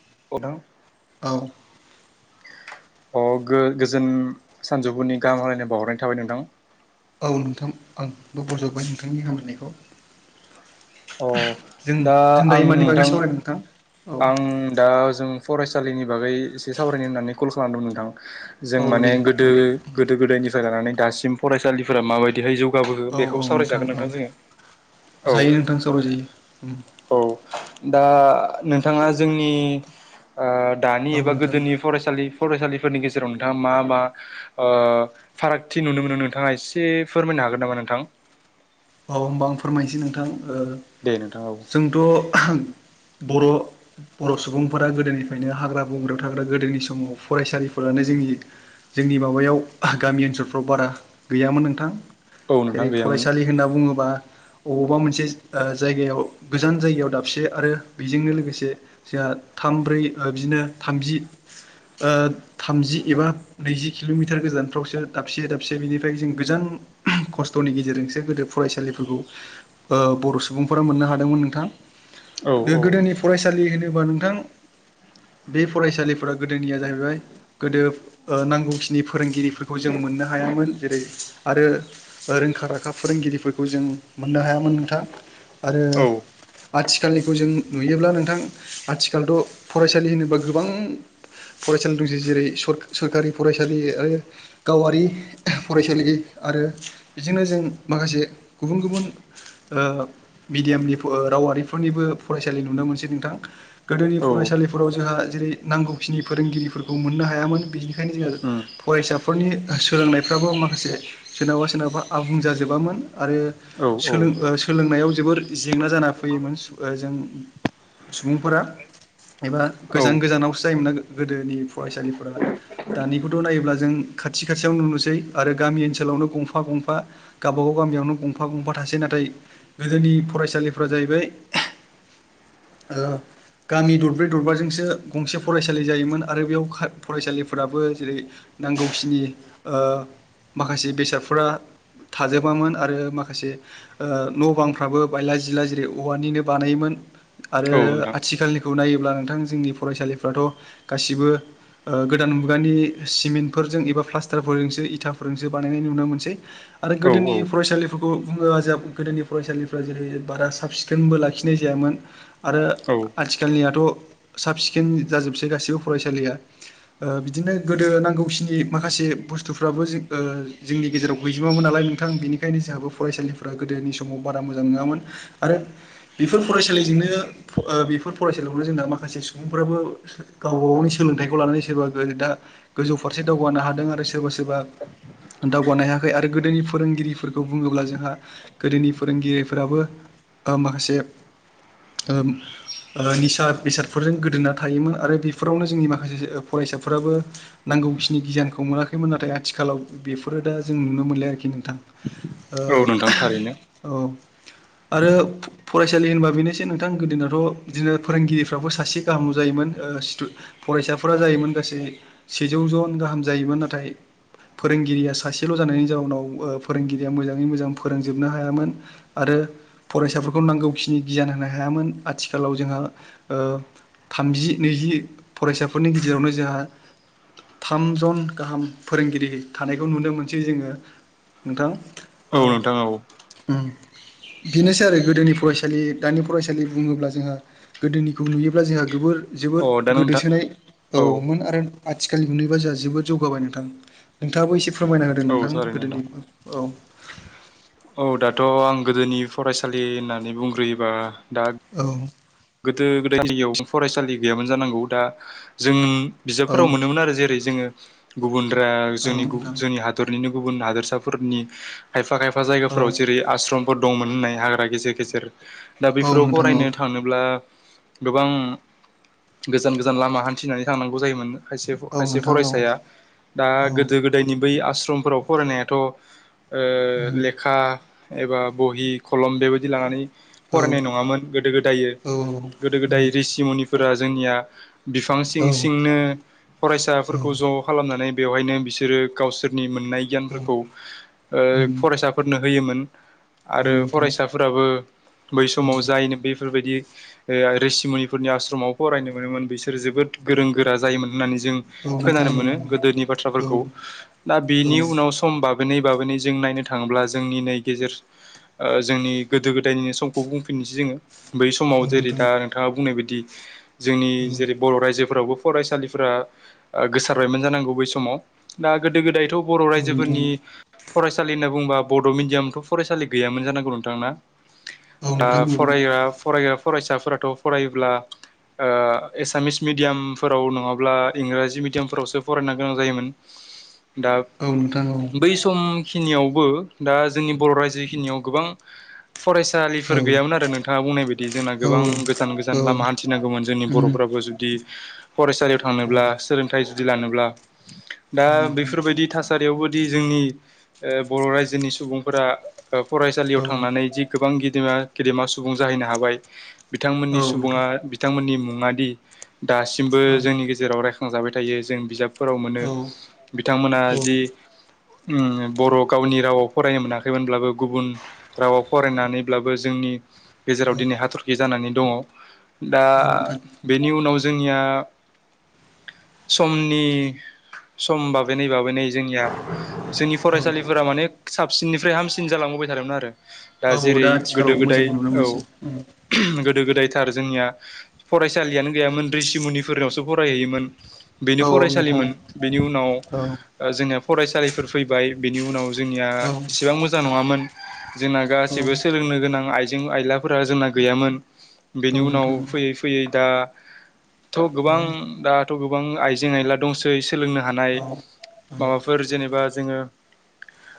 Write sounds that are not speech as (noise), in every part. (inaudible) औ अ गोजोन सानजौफुनि गाहाम हालायनाय बावहरनाय थाबाय नोंथां औ नोंथां आंबो बजबबाय नोंथांनि अ हामब्लायनायखौ दा जों-जों आं दायो मानि बागै नोंथां सावरायनो नोंथां औ आं दा जों फरायसालिनि बागै एसे सावरायनो होननानै कल खालामदोंमोन नोंथां जों औ माने दे नोंथां गोदो-गोदो गोदायनिफ्राय लानानै दासिम फरायसालिफोरा माबायदिहाय जौ जौगाबोखो औ बेखौ औ सावरायजागोन औ नोंथां जोंङो औ- जायो नोंथां सावराय जायो (inaudible) औ दा नोंथाङा जोंनि दानि औ एबा नोंथां गोदोनि फरायसालि फरायसालिफोरनि गेजेराव नोंथाङा मा मा फारागथि नुनो मोनो नोंथाङा एसे फोरमायना हागोन नामा नोंथां? औ होमबा आं फोरमायनोसै दे औ नोंथां जोंथ' (inaudible) बर' बर' सुबुंफोरा गोदोनिफ्रायनो हाग्रा बंग्रायाव थाग्रा गोदोनि समाव फरायसालिफोरानो जि जोंनि माबायाव गामि ओनसोलफ्राव बारा गैयामोन नोंथां औ नोंथां जेरै गैयामोन फरायसालि होनना बुंङोबा अबावबा मोनसे ओ जायगायाव गोजान जायगायाव दाबसे आरो बेजोंनो लोगोसे जोंहा थाम ब्रै बिदिनो थामजि ओ थामजि एबा नैजि किल'मिटार गोजानफ्रावसो दाबसे दाबसे बिनिफ्राय जों गोजान खस्थ'नि गेजेरजोंसो गोदो फरायसालिफोरखौ ओ बर' सुबुंफोरा मोननो हादोंमोन नोंथां। औ गोदो औ गोदायनि फरायसालि होनोबा नोंथां बे फरायसालि फोरा गोदोनिया जाहैबाय गोदो ओ नांगौखिनि फोरोंगिरिफोरखौ जों मोननो हायामोन जेरै आरो रोंखा राखा फोरोंगिरि बेखौ जों मोननो हायामोन नोंथाङा आरो औ आथिखालनिखौ जों नुयोब्ला नोंथां आथिखालथ' फरायसालि होनोबा गोबां फरायसालि दंसै जेरै स-सरखारि फरायसालि आरो गावारि फरायसालि आरो बेजोंनो जों माखासे गुबुन गुबुन ओ मिडियामनि ओ रावारिफोरनिबो फरायसालि नुनो मोनसै नोंथां। गोदोनि औ फरायसालिफोराव जोंहा जेरै नांगौखिनि फोरोंगिरिफोरखौ मोननो हायामोन बिनिखायनो जोङो उम फरायसाफोरनि सोलोंनाय गोबां माखासे सोरनावबा सोरनावबा आबुं जाजोबामोन आरो औ औ सोलों सोलोंनायाव जोबोर जेंना जाना फैयोमोन जों सुबुंफोरा एबा औ गोजान गोजानावसो जायोमोन ना गोदोनि फरायसालिफोरा दानिखौथ' नायोब्ला जों खाथि खाथियाव नुनोसै आरो गामि ओनसोलावनो गंफा गंफा गावबा गाव गामियावनो गंफा गंफा थासै नाथाय गोदोनि फरायसालिफोरा जाहैबाय औ गामि दरब्रै दरबाजोंसो गंसे फरायसालि जायोमोन आरो बेयाव फरायसालिफोराबो जेरै नांगौखिनि ओ माखासे बेसादफोरा थाजोब बामोन आरो माखासे न' बांफ्राबो बायला जिला जेरै औवानिनो बानायोमोन। आरो औ नोंथां आथिखालनिखौ नायोब्ला नोंथां जोंनि फरायसालिफ्राथ' गासिबो गोदान मुगानि सिमेन्टफोरजों एबा प्लास्टारफोरजोंसो इथाफोरजोंसो बानायनायनि नुनो मोनसै। आरो औ औ गोदोनि फरायसालिफोर बुं बुङो जा गोदोनि फरायसालिफ्रा जेरै बारा साब सिखोनबो लाखिनाय जायामोन। आरो औ आथिखालनियाथ' साब सिखोन जाजोबसै गासिबो फरायसालिया ओ बिदिनो गोदो नांगौखिनि माखासे से बुस्थुफ्राबो ओ जोंनि गेजेराव गैजोमामोन नालाय। थां बेनिखायनो जोंहाबो फरायसालिफ गोदोनि समाव बारा मोजां नङामोन आरो बेफोर फरायसालि बेनो बेफोर फरायसालियावनो जोंना माखासे सुबुंफोराबो गावबा गावनि सोलोंथाइखौ लानानै सोरबा दा गोजौ फारसे दावगानो हादों आरो सोरबा सोरबा दावगानो हायाखै आरो गोदोनि फोरोंगिरिफोरखौ बुंङोब्ला जोंहा गोदोनि फोरोंगिरिफोराबो ओ माखासे ओ ओ निसा बेसादफोरजों गोदोना थायोमोन आरो बेफोरावनो जोंनि माखासे फरायसाफोराबो नां गौखिनि गियानखौ मोनाखैमोन नाथाय आथिखालाव बेफोरो दा जों नुनो मोनलाय आरोखि नो औ नोंथां थारैनो ओ औ आरो फरायसालि होनबा बेनोसै नोंथां गोदोनथ' बिदिनो फोरोंगिरिफ्राबो सासे गाहाम जायोमोन। फरायसाफोरा जायोमोन गासै सेजौ जन गाहाम जायोमोन नाथाय फोरोंगिरिया सासेल' जानायनि जाउनाव ओ फोरोंगिरिया मोजाङै मोजां फोरोंजोबनो हायामोन आरो फरायसाफोरखौ नांगौखिनि गियान होनो हाया यामोन आथिखालाव जोंहा थामजि नैजि फरायसाफोरनि गेजेरावनो जोंहा थामजन गाहाम फोरोंगिरि थानायखौ नुनो मोनसै जोङो। नोंथां। औ नोंथां औ। ओ (inaudible) बेनोसै आरो गोदोनि फरायसालि दानि फरायसालि बुङोब्ला जोंहा गोदोनिखौ नुयोब्ला जोंहा गोबोर जोबोद औ दा नोंथां गोदोसोनाय औ औमोन आरो आथिखालनिखौ नुयोबा जोंहा जोबोद जौगाबाय नोंथां नोंथाङाबो एसे फोरमायना होदो औ नोंथां थारैनो गोदोनि नोंथां (inaudible) औ दाथ' आं गोदोनि फरायसालि होननानै बुंग्रोयोबा दा औ। गोदो गोदाय जायगायाव फरायसालि गैयामोन जानांगौ दा जों औ बिजाबफोराव मोनोमोन आरो जेरै जोङो गुबुन औ जोंनि नोंथां जोंनि हादर गुबुन हादोरसाफोरनि खायफा खायफा औ जायगाफोराव जेरै आश्रमफोर दंमोन होननाय हाग्रा गेजेर गेजेर दा औ बेफोराव नोंथां औ फरायनो थांनो गोबां गोजान गोजान लामा हान्थिनानै थांनांगौ जायोमोन। खायसे औ खायसे नोंथां औ फरायसाया दा औ गोदो गोदायनि बै आस्रमफोराव फरायनायाथ' ओ उम लेखा एबा बहि खलम बेबायदि लानानै औ फरायनाय नङामोन गोदो गोदाय औ उम गोदो गोदाय रिसि मुनिफोरा जोंनिया बिफां औ सिं उम औ सिंनो फरायसाफोरखौ ज' खालामनानै बेवहायनो बिसोरो गावसोरनि मोननाय गियानफोरखौ ओ फरायसाफोरनो होयोमोन। आरो नोंथां फरायसाफोराबो बै औ समाव जायनो बेफोरबायदि रेसिमुनिफोरनि आश्रमाव फरायनो मोनोमोन बिसोरो जोबोद गोरों गोरा जायोमोन। होननानै जों औ नोंथां खोनानो औ मोनो गोदोनि औ बाथ्राफोरखौ दा औ नोंथां बेनि उनाव समबाब नै बाबै (unintelligible) जों नायनो थाङोब्ला जोंनि नै गेजेर ओ जोंनि गोदो गोदायनिनो समखौ बुंफिन (unintelligible) जेरै दा नोंथाङा बुंनाय बायदि जोंनि औ जेरै बर' राइजो फोरावबो फरायसालिफोरा गोसारबायमोन जानांगौ बै समाव दा गोदो गोदायथ' बर' नोंथां रायजोफोरनि फरायसालि होनना बुंङोबा बड' मिडियामथ' फरायसालि गैयामोन जानांगौ नोंथां ना? औ दा नोंथां औ फरायग्रा फरायग्रा फरायसाफोराथ' फरायोब्ला ओ एसामिस मिडियामफोराव नङाब्ला इंराजि मिडियामफोरावसो फरायनो गोनां जायोमोन। दा औ नोंथां औ बै सम खिनियावबो दा जोंनि बर' रायजोखिनियाव गोबां औ फरायसालिफोर गैयामोन आरो नोंथाङा बुंनाय बायदि जोंना औ गोबां गोजान औ गोजान लामा उम हान्थिनांगौमोन जोंनि बर'फ्राबो जुदि फरायसालियाव औ थांनोब्ला सोलोंथाइ जुदि लानोब्ला दा नोंथां बेफोरबायदि थासारियावबो जुदि जोंनि ओ बर' रायजोनि सुबुंफोरा फरायसालियाव औ थांनानै जि गोबां गि गेदमा गेदेमा सुबुं जाहैनो हाबाय बिथांमोननि औ नोंथां सुबुङा बिथांमोननि मुङा दि दासिमबो औ जोंनि गेजेराव रायखां जाबाय थायो जों बिजाबफोराव मोनो औ औ बिथांमोना जि बर' गावनि रावाव फरायनो मोनाखैमोनब्लाबो गुबुन रावाव फरायनानैब्लाबो जों नि गेजेराव दिनै हाथरखि जानानै दङ दा नोंथां बेनि उनाव जों जोंनिया समनि सम बाबोनै बाबोनै जोंनिया जोंनि औ फरायसालिफोरा माने साबसिननिफ्राय हामसिन जालांबोबाय थादोंमोन आरो। दा औ जेरै आथिखालाव गोदो गोदाय मोजांखौ नुनो औ। मोनसै उम गोदो गोदायथार जोंनिया फरायसालियानो गैयामोन रिषिमुनिफोरनावसो फरायहैयोमोन। बेनो औ नोंथां फरायसालिमोन बेनि उनाव औ जोंना फरायसालिफोर फैबाय बिनि उनाव जोंनिया औ एसेबां मोजां नङामोन। जोंना गासिबो सोलोंनो गोनां आइजें आयलाफोरा जोंना गैयामोन। बेनि औ उनाव नोंथां औ नोंथां फैयै फैयै दाथ' औ गोबां दा थ' गोबां आइजें आयला दंसै सोलोंनो हानाय औ माबाफोर जेनेबा जोङो (inaudible)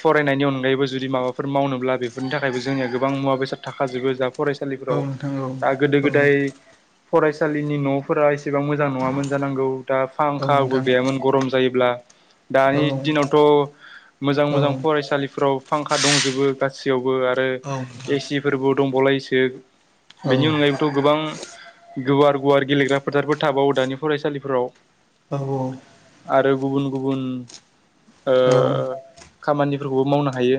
फरायनायनि अनगायैबो जुदि माबाफोर मावनोब्ला बेफोरनि थाखायबो जोंनिया गोबां मुवा बेसाद थाखाजोबो जा औ नोंथां औ फरायसालिफोराव नोंथां औ दा गोदो औ गोदाय औ फरायसालिनि न'फोरा एसेबां मोजां नङामोन जानांगौ दा औ फांखाबो गैयामोन गरम जायोब्ला दानि दिनावथ' मोजां मोजां फरायसालिफोराव फांखा दंजोबो गासैयावबो आरो एसि फोरबो दंबावलायोसो बेनि अनगायैबोथ' गोबां गुवार गुवार गेलेग्रा फोथारफोर थाबावो दानि फरायसालिफोराव आब' आरो गुबुन गुबुन औ ओ खामानिफोरखौबो मावनो हायो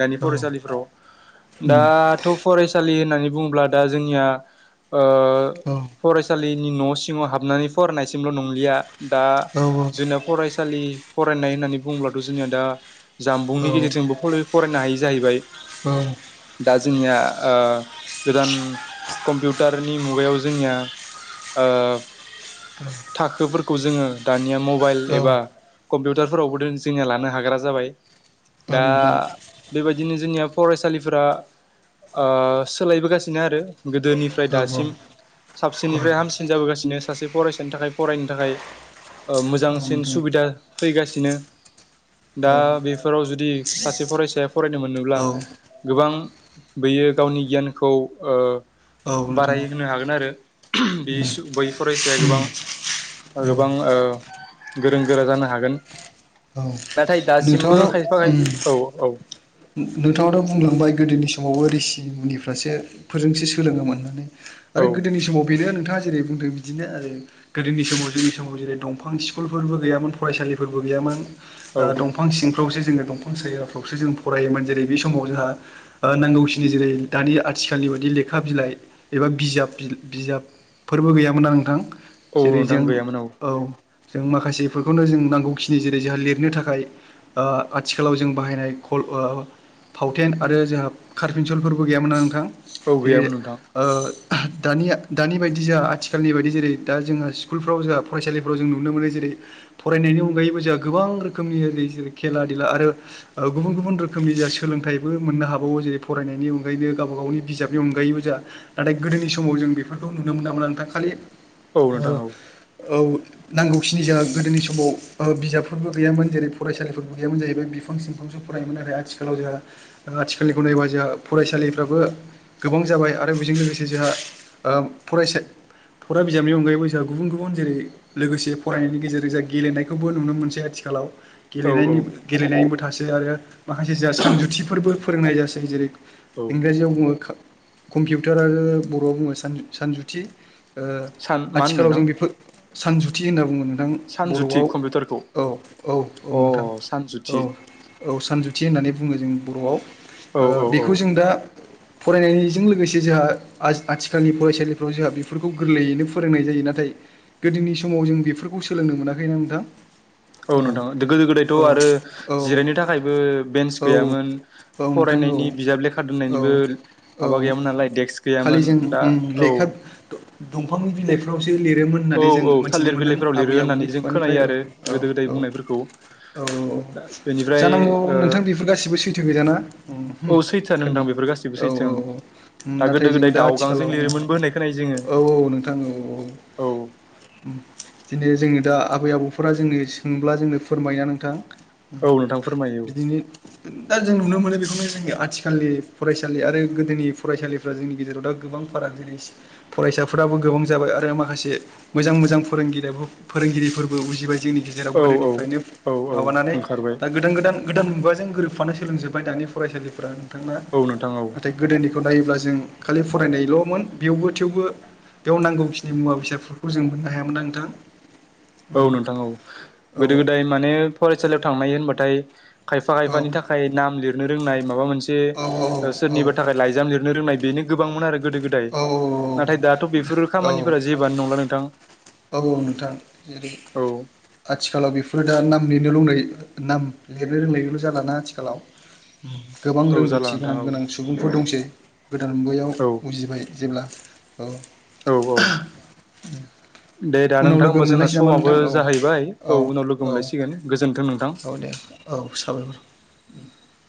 दानि औ फरायसालिफ्राव उम दाथ' फरायसा होननानै बुङोब्ला दा जोंनि औ फ जों नि न' सिङाव हाबनानै फरायनायसिमल' नंलिया दा औ औ जोंना फरायसालि फरायनाय होननानै बुङोब्लाथ' जोंनिया दा औ जामबुंनि गेजेरजोंबो फरायनो हायि जाहैबाय औ दा जोंनिया गोदान कम्पिउटारनि मुगायाव जोंनिया थाखोफोरखौ जोङो दानिया मबाइल औ एबा कम्पिउटारफोरावबो दि जोंनिया लानो हाग्रा जाबाय औ दा नोंथां बेबायदिनो जोंनिया फरायसालिफोरा सोलायबोगासिनो आरो गोदोनिफ्राय औ औ दासिम औ साबसिननिफ्राय हामसिन जाबोगासिनो सासे फरायसानि थाखाय फरायनो थाखाय औ मोजांसिन नोंथां सुबिदा फैगासिनो दा औ बेफोराव जुदि सासे फरायसाया फरायनो मोनोब्ला औ गोबां बयो गावनि गियानखौ नोंथां औ बाराय होनोनो हागोन आरो बे बै फरायसाया गोबां गोबां गोरों गोरा जानो हागोन औ नाथाय दासिमबो खायफा खाय औ औ नोंथाङ दा बुंलांबाय गोदोनि समावबो रिसि मुनिफ्रासो फोरजोंसो सोलोङोमोन होननानै आरो औ गोदोनि समाव बेनो नोंथाङा जेरै बुंदों बिदिनो आरो गोदोनि समाव जोंनि समाव जेरै दंफां स्कुलफोरबो गैयामोन फरायसालिफोरबो गैयामोन औ दंफां सिंफ्रावसो जोङो दंफां सायाफ्रावसो जों फरायोन जेरै बे समाव जोंहा नांगौनि जेरै दानि आथिालनि बायदि लेखा बिलाइ एा बिजाब बिजाबफोरबो गैयामोन आं नोंथां औ जेरै नोंथां जों गैयामोन औ जों माखासेफोरखौनो जों नांगौखिनि जेरै जोंहा लिरनो थाखाय आथिखालाव जों बाहायनाय ल फावथेन आरो जोंहा कारपििेनसलफोरबो गैयामोना नोंथां औ जेरै गैयामोन नोंथां दानिया दानि बायदि जोंहा आथिखालनि बायदि जेरै दा जोंहा स्कुलफ्राव जोंहा फरायसालिफ्राव जों नुनो मोनो जेरै फरायनायनि अनगायैबो जोंहा गोबां रोखोमनि खेला धुला आरो गुबुन गुबुन रोखोमनि जा सोलोंथाइबो मोननो हाबावो जेरै फरायनायनि अनगायैनो गावबा गावनि बिजाबनि अनगायैबो जा नाथाय गोदोनि समाव जों बेफोरखौ नुनो मोनामोना नोंथां खालि औ नोंथां ओ औ औ नांगौखिनि जों गोदोनि समाव बिजाबफोरबो गैयामोन जेरै फरायसालिफोरबो गैयामोन जाहैबाय बिफां सिम बिांसो फरायोमोन नाथाय आथिखालाव जोंहा आथिखालनिखौ नायोबा जोंहा फरायसालिफ्राबो गोबां जाबाय आरो बेजों लोगोसे जोंहा फरायसा फराइ बिजाबनि अनगायैबो जोंहा गुबुन गुबुन जेरै लोगोसे फरायनायनि गेजेरजों जोंहा गेलेनायखौबो नुनो मोनसै आथिखालाव औ औ गेलेनायनिबो थासै आरो माखासे जों सानजुथिफोरबो फोरोंनाय जासै जेरै औ इंराजियाव बुङो कम्पिउटार आरो बर'आव बुङो सानजुथि सान मा होनो आथिखालाव नोंथां जों बेफोर सानजुथि होनना बुङो नोंथां सानजुथि बर'आव कम्पिउटारखौ औ औ औ नोंथां अ सानजुथि औ औ सानजुथि होननानै बुङो जों बर'आव औ ओ औ औ बेखौ जों दा फरायनायजों लोगोसे जोंहा आथिखालनि फरायसालिफ्राव जोंहा बेफोरखौ गोरलैयैनो फोरोंनाय जायो। नाथाय गोदोनि समाव जों बेफोरखौ सोलोंनो मोनाखैना नोंथां। औ नोंथां गोदो गोदायथ' आरो औ जिरायनो थाखायबो बेन्स औ गैयामोन औ नोंथां फरायनायनि बिजाब लेखा औ दोननायनिबो माबा औ औ गैयामोन नालाय देक्स खालि गैयामोन जों दा उम औ लेखा दंफांनि बिलाइफ्राव बे लिरोमोन औ होन्नानै जों औ मोनथिनो थालिर मोन्दों बिलाइफोराव लिरो आबै आबौनि होननानै जों खुगानिफ्राय खोनायो औ आरो औ गोदो गोदाय औ। बुंनायफोरखौ औ औ दा बेनिफ्राय जानांगौ ओ नोंथां बेफोर गासिबो सैथो गोजाना औ सैथोआ खोन नोंथां बेफोर गासैबो औ औ सैथो औ ओं दा गोदो नाथाय जों गोदाय दा दावगांजों आथिखालाव लिरोमोनबो होननाय खोनायो जोङो औ औ नोंथां औ औ औ। औ। बिदिनो जोंनि दा आबै आबौफोरा जोंनो सोंब्ला जोंनो फोरमायो ना नोंथां। औ नोंथां फोरमायो बिदिनो दा जों नुनो मोनो बेखौनो जों आथ आथिखालनि फरायसालि आरो गोदोनि फरायसालिफ्रा जोंनि गेजेराव दा गोबां फाराग जेरै फरायसाफोरा गोबां जाबाय आरो माखासे मोजां मोजां फोरोंगिरि फोरोंगिरिफोरबो उजिबाय जोंनि गेजेराव औ औ गोदोनिफ्रायनो औ औ माबानानै ओंखारबाय दा गोदान गोदान गोदान मुगाजों गोरोबफानो सोलोंजोब्बाय दानि फरायसालिफ्रा नोंथाङा औ नोंथां औ नाथाय गोदोनिखौ नायोब्ला जों खालि फरायनायल'मोन बेवबो थेवबो बेयाव नांगौखिनि मुवा बेसादफोरखौ जों मोननो हायामोन ना नोंथां। औ नोंथां औ औ गोदो गोदाय माने फरायसालियाव थांनाय होनबाथाय खायफा औ खायफानि थाखाय नाम लिरनो रोंनाय माबा मोनसे औ औ सोरनिबा थाखाय लाइजाम लिरनो रोंनाय बेनो गोबांमोन आरो गोदो गोदाय औ औ नाथाय दाथ' बेफोर औ खामानिफोरा जेबानो नंला नोंथां। औ नोंथां जेरै औ आथिखालाव बेफोरो दा नामनि नो लोंनाय नाम लिरनो रोंनायल' जाालाना आथिखालाव गोबां औ जाला रोंगौथि नोंथां गोनां औ गोनां सुबुंफोर दंसै गोदान मुगायाव औ उजिबाय जेब्ला औ। औ औ। (unintelligible) दे दा उनाव नोंथां लोगो होमबा जोंना मोनलायसै नामा समाबो नोंथां औ जाहैबाय औ उनाव लोगो औ मोनलायसिगोन गोजोन्थों नोंथां औ दे। औ साबायखर। (inaudible)